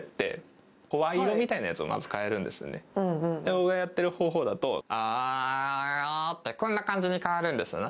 僕がやってる方法だとああああってこんな感じに変わるんですね